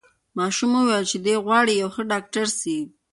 ماشوم وویل چې دی غواړي یو ښه ډاکټر سي.